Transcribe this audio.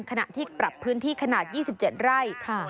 ขณะที่ปรับพื้นที่ขนาด๒๗ไร่